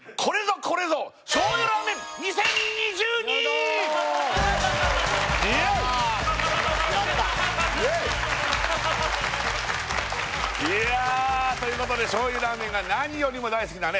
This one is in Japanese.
イエイ！いやということで醤油ラーメンが何よりも大好きなね